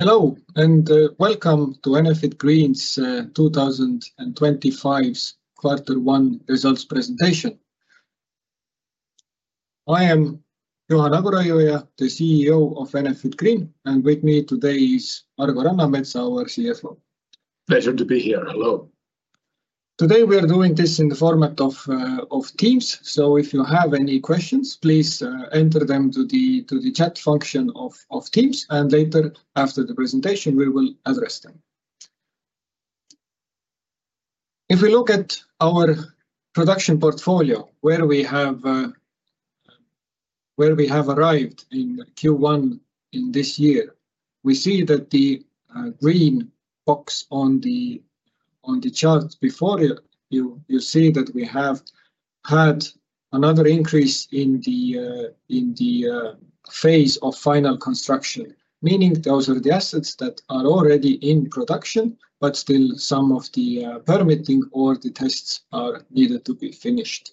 Hello, and welcome to Enefit Green's 2025 Quarter One Results Presentation. I am Juhan Aguraiuja, the CEO of Enefit Green, and with me today is Argo Rannamets, our CFO. Pleasure to be here. Hello. Today we are doing this in the format of Teams, so if you have any questions, please enter them to the chat function of Teams, and later after the presentation, we will address them. If we look at our production portfolio, where we have arrived in Q1 in this year, we see that the green box on the chart before you, you see that we have had another increase in the phase of final construction, meaning those are the assets that are already in production, but still some of the permitting or the tests are needed to be finished.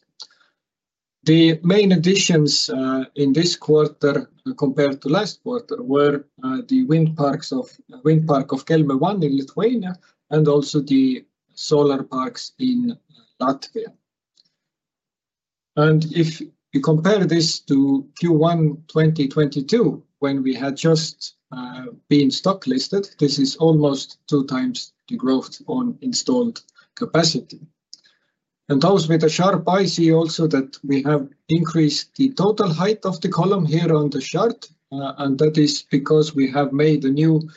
The main additions in this quarter compared to last quarter were the wind parks of Kelmė I in Lithuania, and also the solar parks in Latvia. If you compare this to Q1 2022, when we had just been stocklisted, this is almost two times the growth on installed capacity. Those with a sharp eye see also that we have increased the total height of the column here on the chart, and that is because we have made a new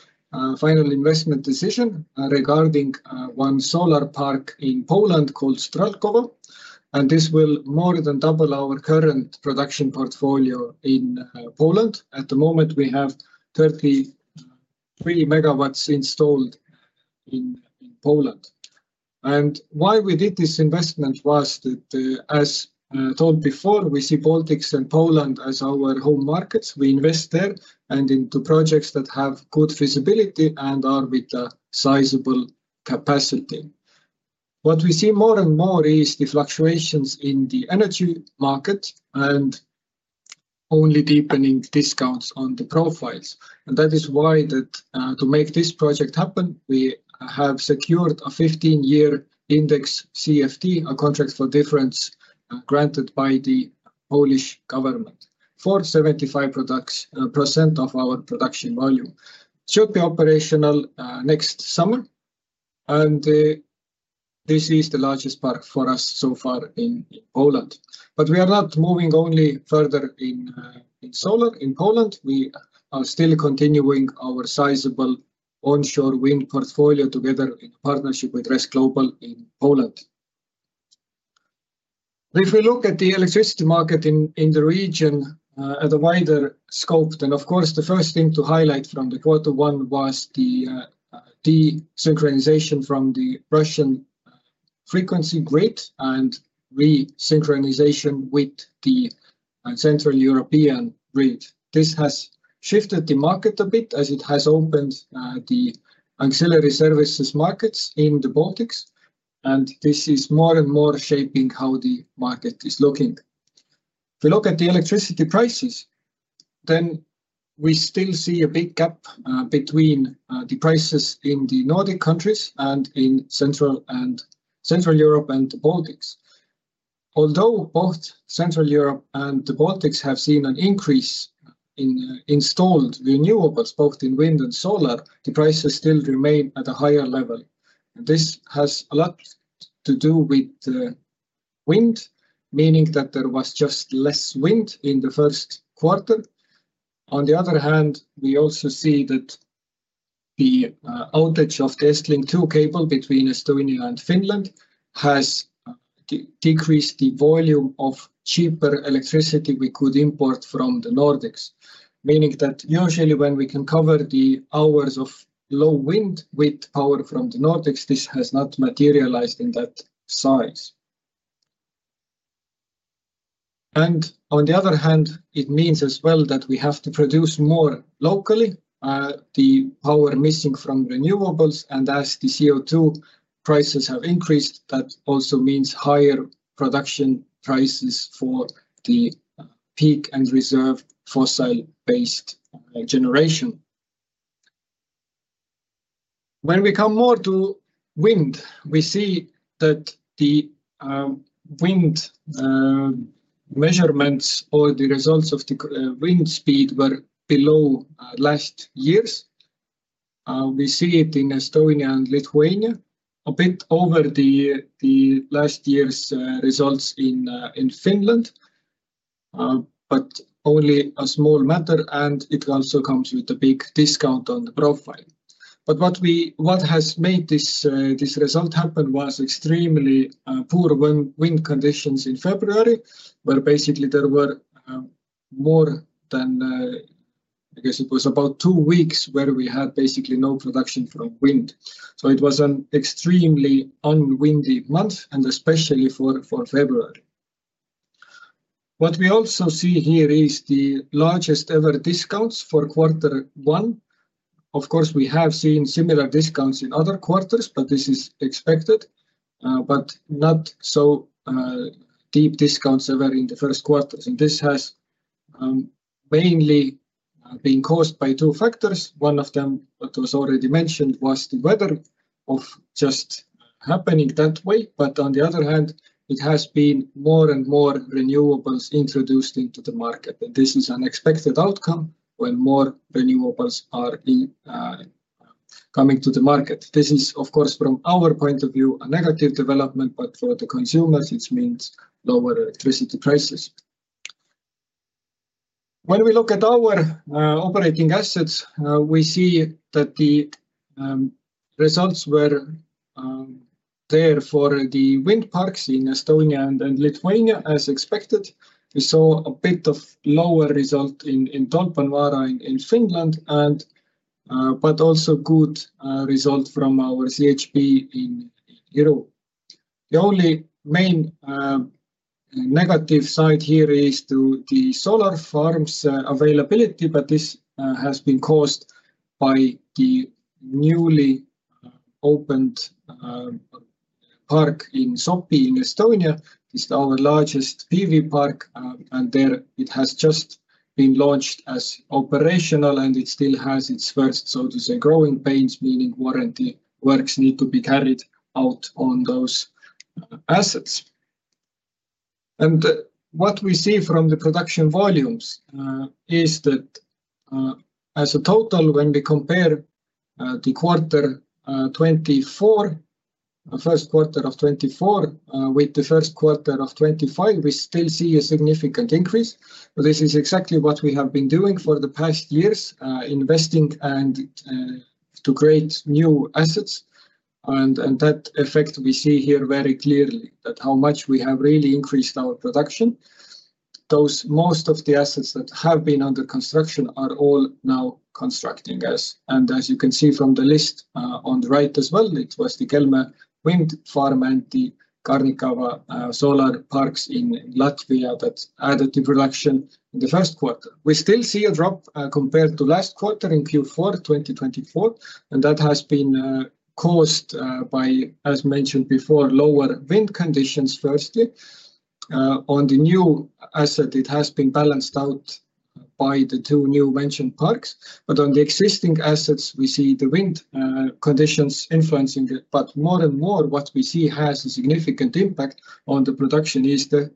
final investment decision regarding one solar park in Poland called Strzałkowo, and this will more than double our current production portfolio in Poland. At the moment, we have 33 megawatts installed in Poland. Why we did this investment was that, as told before, we see Baltics and Poland as our home markets. We invest there and into projects that have good visibility and are with sizable capacity. What we see more and more is the fluctuations in the energy market and only deepening discounts on the profiles. That is why to make this project happen, we have secured a 15-year index CFD, a contract for difference granted by the Polish government for 75% of our production volume. It should be operational next summer, and this is the largest park for us so far in Poland. We are not moving only further in solar in Poland. We are still continuing our sizable onshore wind portfolio together in partnership with RES Global in Poland. If we look at the electricity market in the region at a wider scope, of course the first thing to highlight from Quarter One was the desynchronization from the Russian frequency grid and resynchronization with the Central European grid. This has shifted the market a bit as it has opened the auxiliary services markets in the Baltics, and this is more and more shaping how the market is looking. If we look at the electricity prices, then we still see a big gap between the prices in the Nordic countries and in Central Europe and the Baltics. Although both Central Europe and the Baltics have seen an increase in installed renewables, both in wind and solar, the prices still remain at a higher level. This has a lot to do with the wind, meaning that there was just less wind in the first quarter. On the other hand, we also see that the outage of the Estlink 2 cable between Estonia and Finland has decreased the volume of cheaper electricity we could import from the Nordics, meaning that usually when we can cover the hours of low wind with power from the Nordics, this has not materialized in that size. It means as well that we have to produce more locally. The power missing from renewables, and as the CO2 prices have increased, that also means higher production prices for the peak and reserve fossil-based generation. When we come more to wind, we see that the wind measurements or the results of the wind speed were below last year's. We see it in Estonia and Lithuania, a bit over the last year's results in Finland, but only a small matter, and it also comes with a big discount on the profile. What has made this result happen was extremely poor wind conditions in February, where basically there were more than, I guess it was about two weeks where we had basically no production from wind. It was an extremely unwindy month, and especially for February. What we also see here is the largest ever discounts for Quarter One. Of course, we have seen similar discounts in other quarters, but this is expected, but not so deep discounts ever in the first quarters. This has mainly been caused by two factors. One of them, what was already mentioned, was the weather of just happening that way, but on the other hand, it has been more and more renewables introduced into the market. This is an expected outcome when more renewables are coming to the market. This is, of course, from our point of view, a negative development, but for the consumers, it means lower electricity prices. When we look at our operating assets, we see that the results were there for the wind parks in Estonia and Lithuania, as expected. We saw a bit of lower result in Tolpanvaara in Finland, but also good result from our CHP in Iru. The only main negative side here is the solar farms availability, but this has been caused by the newly opened park in Sopi in Estonia. This is our largest PV park, and there it has just been launched as operational, and it still has its first, so to say, growing pains, meaning warranty works need to be carried out on those assets. What we see from the production volumes is that as a total, when we compare the first quarter of 2024 with the first quarter of 2025, we still see a significant increase. This is exactly what we have been doing for the past years, investing and to create new assets. That effect we see here very clearly, that how much we have really increased our production. Most of the assets that have been under construction are all now constructing us. As you can see from the list on the right as well, it was the Kelmė wind farm and the Carnikava solar parks in Latvia that added to production in the first quarter. We still see a drop compared to last quarter in Q4 2024, and that has been caused by, as mentioned before, lower wind conditions firstly. On the new asset, it has been balanced out by the two new mentioned parks, but on the existing assets, we see the wind conditions influencing it. More and more, what we see has a significant impact on the production is the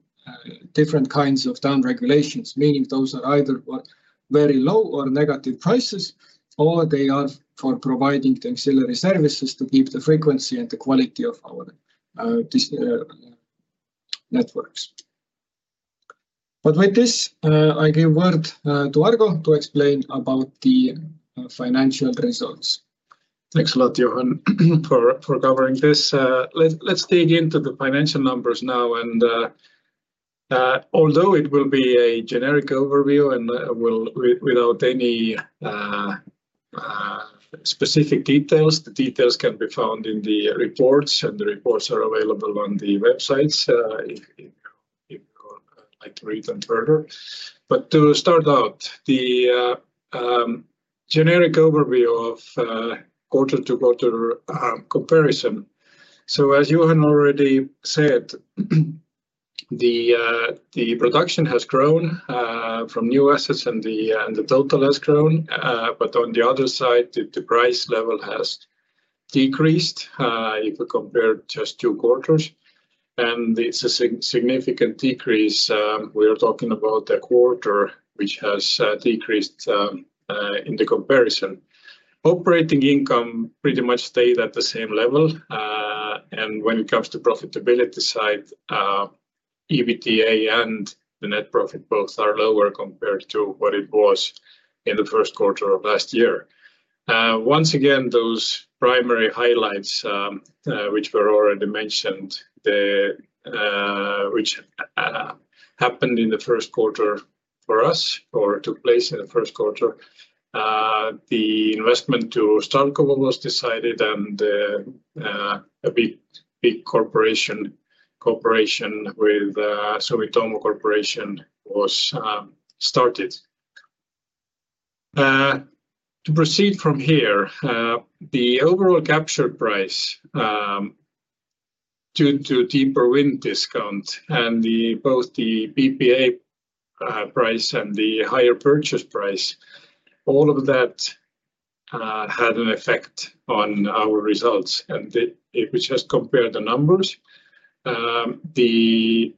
different kinds of downregulations, meaning those are either very low or negative prices, or they are for providing the auxiliary services to keep the frequency and the quality of our networks. With this, I give word to Argo to explain about the financial results. Thanks a lot, Juhan, for covering this. Let's dig into the financial numbers now. Although it will be a generic overview and without any specific details, the details can be found in the reports, and the reports are available on the websites if you'd like to read them further. To start out, the generic overview of quarter-to-quarter comparison. As Juhan already said, the production has grown from new assets and the total has grown, but on the other side, the price level has decreased if we compare just two quarters. It is a significant decrease. We are talking about a quarter which has decreased in the comparison. Operating income pretty much stayed at the same level. When it comes to profitability side, EBITDA and the net profit both are lower compared to what it was in the first quarter of last year. Once again, those primary highlights which were already mentioned, which happened in the first quarter for us or took place in the first quarter, the investment to Strzałkowo was decided and a big cooperation with Sumitomo Corporation was started. To proceed from here, the overall capture price due to deeper wind discount and both the BPA price and the higher purchase price, all of that had an effect on our results. If we just compare the numbers, the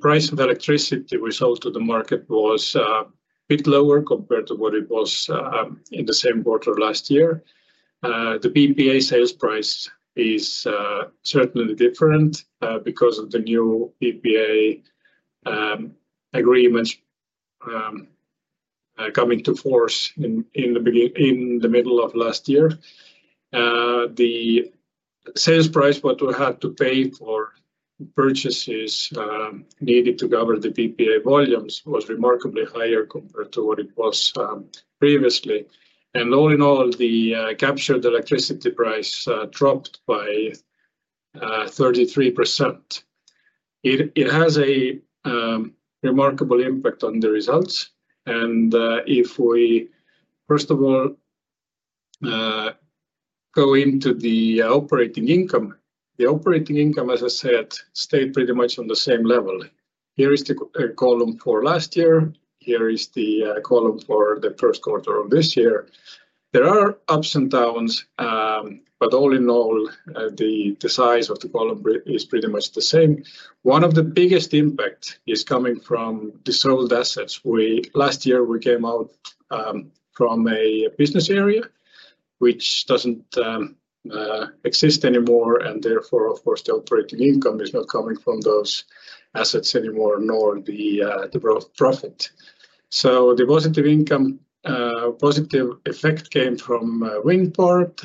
price of electricity we sold to the market was a bit lower compared to what it was in the same quarter last year. The BPA sales price is certainly different because of the new BPA agreements coming to force in the middle of last year. The sales price, what we had to pay for purchases needed to cover the BPA volumes was remarkably higher compared to what it was previously. All in all, the captured electricity price dropped by 33%. It has a remarkable impact on the results. If we, first of all, go into the operating income, the operating income, as I said, stayed pretty much on the same level. Here is the column for last year. Here is the column for the first quarter of this year. There are ups and downs, but all in all, the size of the column is pretty much the same. One of the biggest impacts is coming from the sold assets. Last year, we came out from a business area which does not exist anymore, and therefore, of course, the operating income is not coming from those assets anymore, nor the gross profit. The positive effect came from wind part,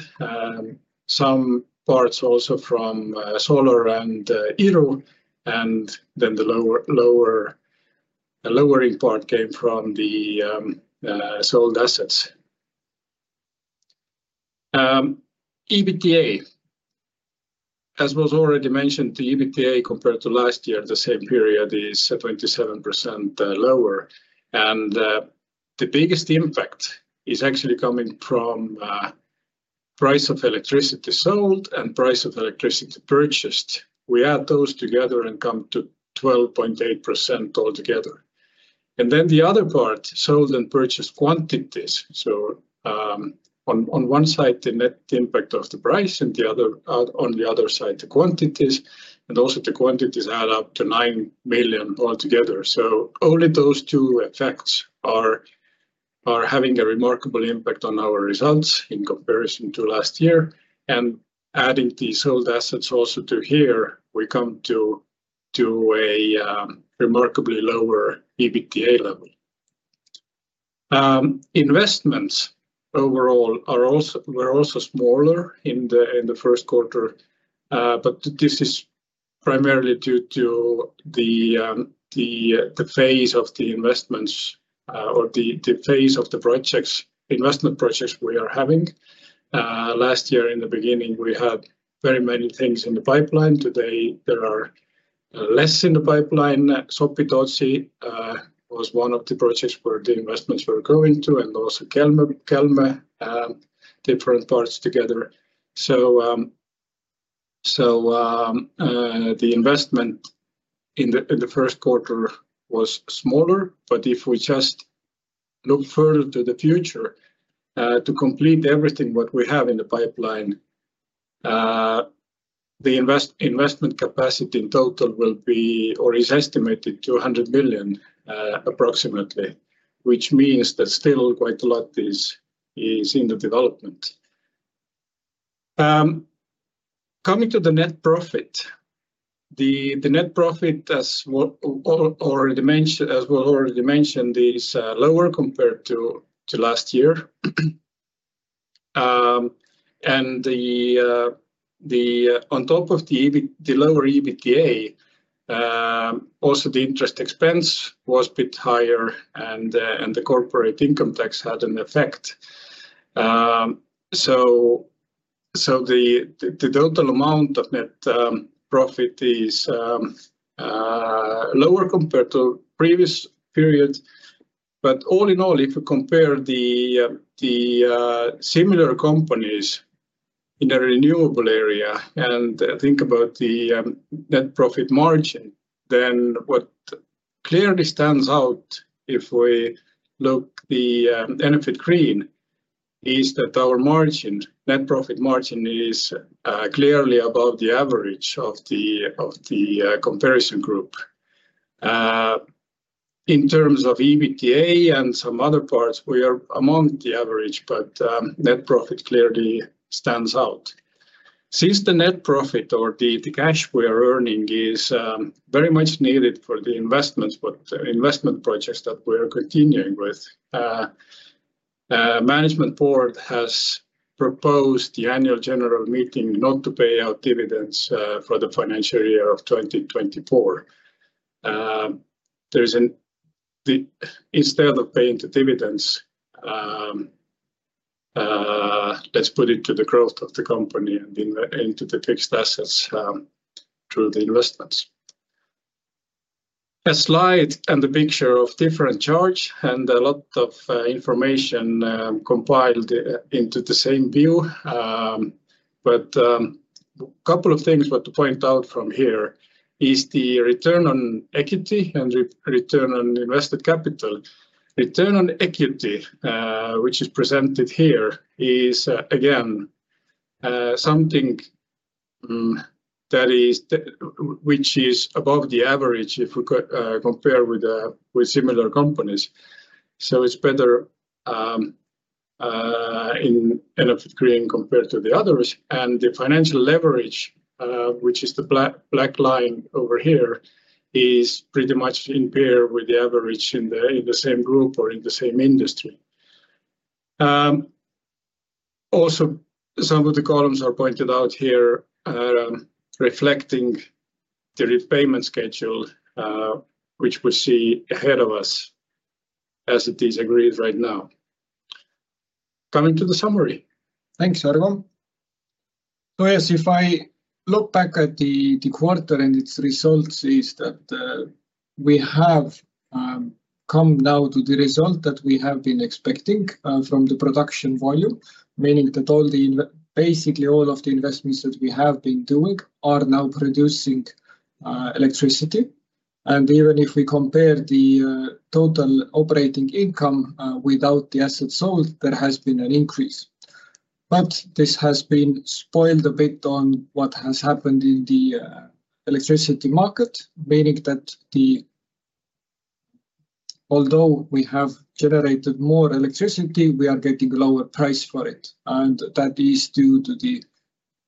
some parts also from solar and Iru, and then the lowering part came from the sold assets. EBITDA, as was already mentioned, the EBITDA compared to last year, the same period, is 27% lower. The biggest impact is actually coming from price of electricity sold and price of electricity purchased. We add those together and come to 12.8% altogether. The other part, sold and purchased quantities. On one side, the net impact of the price, and on the other side, the quantities. The quantities add up to 9 million altogether. Only those two effects are having a remarkable impact on our results in comparison to last year. Adding the sold assets also to here, we come to a remarkably lower EBITDA level. Investments overall were also smaller in the first quarter, but this is primarily due to the phase of the investments or the phase of the projects, investment projects we are having. Last year, in the beginning, we had very many things in the pipeline. Today, there are less in the pipeline. Sopi was one of the projects where the investments were going to, and also Kelmė, different parts together. The investment in the first quarter was smaller, but if we just look further to the future, to complete everything what we have in the pipeline, the investment capacity in total will be or is estimated 200 million approximately, which means that still quite a lot is in the development. Coming to the net profit, the net profit, as was already mentioned, is lower compared to last year. On top of the lower EBITDA, also the interest expense was a bit higher, and the corporate income tax had an effect. The total amount of net profit is lower compared to the previous period. All in all, if you compare the similar companies in the renewable area and think about the net profit margin, then what clearly stands out if we look at Enefit Green is that our margin, net profit margin, is clearly above the average of the comparison group. In terms of EBITDA and some other parts, we are among the average, but net profit clearly stands out. Since the net profit or the cash we are earning is very much needed for the investment projects that we are continuing with, the management board has proposed the annual general meeting not to pay out dividends for the financial year of 2024. Instead of paying the dividends, let's put it to the growth of the company and into the fixed assets through the investments. A slide and a picture of different charts and a lot of information compiled into the same view. A couple of things I want to point out from here is the return on equity and return on invested capital. Return on equity, which is presented here, is again something which is above the average if we compare with similar companies. It is better in Enefit Green compared to the others. The financial leverage, which is the black line over here, is pretty much impaired with the average in the same group or in the same industry. Also, some of the columns are pointed out here reflecting the repayment schedule which we see ahead of us as it is agreed right now. Coming to the summary. Thanks, Argo. Yes, if I look back at the quarter and its results, it is that we have come now to the result that we have been expecting from the production volume, meaning that basically all of the investments that we have been doing are now producing electricity. Even if we compare the total operating income without the assets sold, there has been an increase. This has been spoiled a bit on what has happened in the electricity market, meaning that although we have generated more electricity, we are getting lower price for it. That is due to the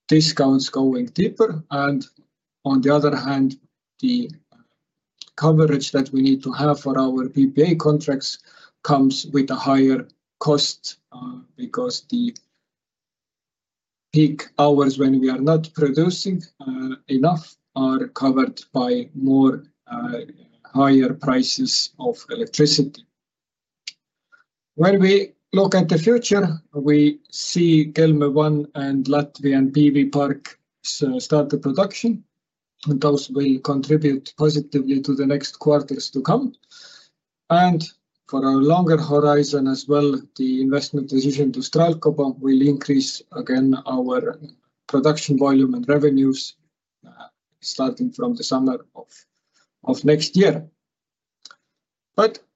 discounts going deeper. On the other hand, the coverage that we need to have for our BPA contracts comes with a higher cost because the peak hours when we are not producing enough are covered by more higher prices of electricity. When we look at the future, we see Kelmė I and Latvian PV parks start the production, and those will contribute positively to the next quarters to come. For a longer horizon as well, the investment decision to Strzałkowo will increase again our production volume and revenues starting from the summer of next year.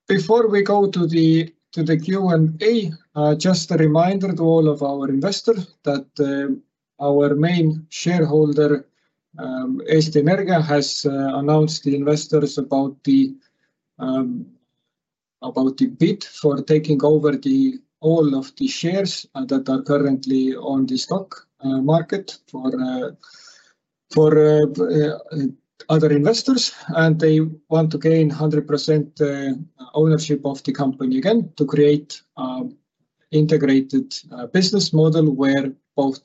Before we go to the Q&A, just a reminder to all of our investors that our main shareholder, Eesti Energia, has announced to investors about the bid for taking over all of the shares that are currently on the stock market for other investors. They want to gain 100% ownership of the company again to create an integrated business model where both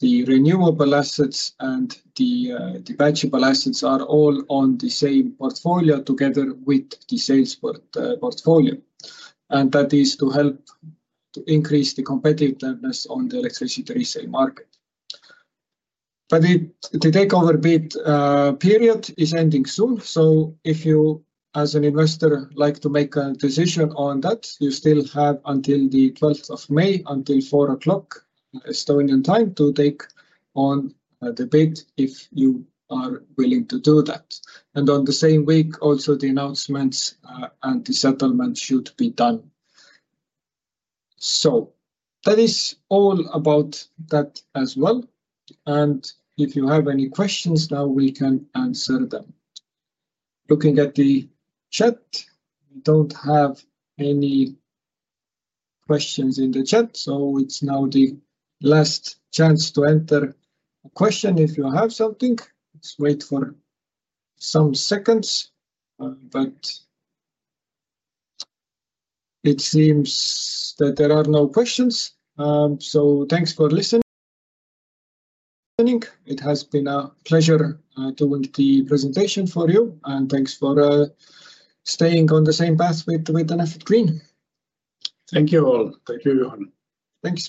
the renewable assets and the batchable assets are all on the same portfolio together with the sales portfolio. That is to help to increase the competitiveness on the electricity resale market. The takeover bid period is ending soon. If you, as an investor, like to make a decision on that, you still have until the 12th of May, until 4:00 P.M. Estonian time, to take on the bid if you are willing to do that. In the same week, also the announcements and the settlement should be done. That is all about that as well. If you have any questions, now we can answer them. Looking at the chat, we do not have any questions in the chat. It is now the last chance to enter a question if you have something. Let's wait for some seconds. It seems that there are no questions. Thanks for listening. It has been a pleasure doing the presentation for you. Thanks for staying on the same path with Enefit Green. Thank you all. Thank you, Juhan. Thanks.